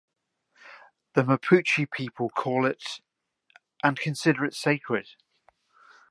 The Mapuche people call it ', and consider it sacred.